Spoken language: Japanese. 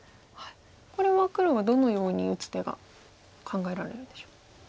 これは黒はどのように打つ手が考えられるんでしょう？